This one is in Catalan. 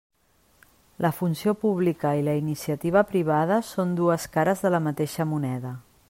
La funció pública i la iniciativa privada són dues cares de la mateixa moneda.